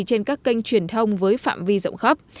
trên các kênh truyền thông với phạm vi rộng khắp